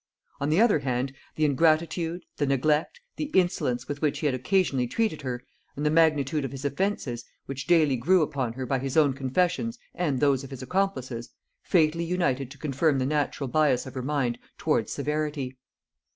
On the other hand, the ingratitude, the neglect, the insolence with which he had occasionally treated her, and the magnitude of his offences, which daily grew upon her by his own confessions and those of his accomplices, fatally united to confirm the natural bias of her mind towards severity.